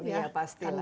ya pasti lah